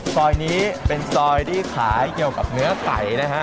ซอยนี้เป็นซอยที่ขายเกี่ยวกับเนื้อไก่นะฮะ